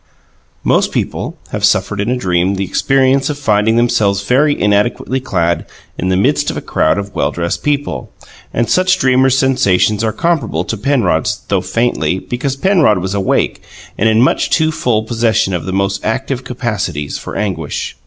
Most people have suffered in a dream the experience of finding themselves very inadequately clad in the midst of a crowd of well dressed people, and such dreamers' sensations are comparable to Penrod's, though faintly, because Penrod was awake and in much too full possession of the most active capacities for anguish.